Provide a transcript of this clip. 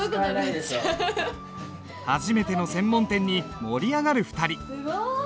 初めての専門店に盛り上がる２人。